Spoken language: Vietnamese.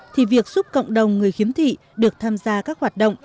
thì việc giúp cộng đồng người khiếm thị được tham gia các hoạt động